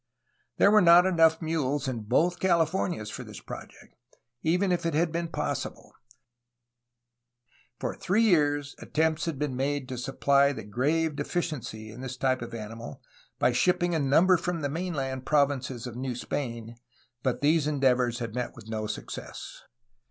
There were not enough mules in both Calif ornias for this project, even if it 252 A HISTORY OF CALIFORNIA had been possible; for three years attempts had been made to supply the grave deficiency in this type of animal by shipping a number from the mainland provinces of New Spain, but these endeavors had met with no success.